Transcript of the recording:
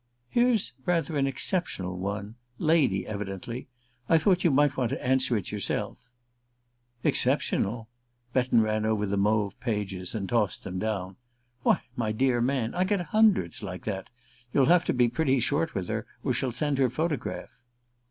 "Here's rather an exceptional one lady, evidently. I thought you might want to answer it yourself " "Exceptional?" Betton ran over the mauve pages and tossed them down. "Why, my dear man, I get hundreds like that. You'll have to be pretty short with her, or she'll send her photograph."